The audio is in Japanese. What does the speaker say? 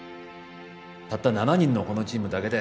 たった７人のこのチームだけで